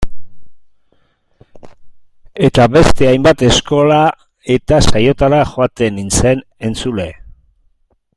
Eta beste hainbat eskola eta saiotara joaten nintzen, entzule.